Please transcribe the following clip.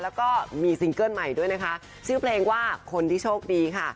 แล้วก็มีซิงเกิ้ลใหม่ด้วยนะคะชื่อเพลงว่าคนที่โชคดีค่ะ